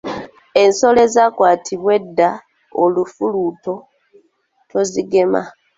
Ensolo ezaakwatibwa edda olufuluuto tozigema.